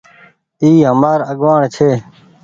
اي همآر آگوآڻ ڇي۔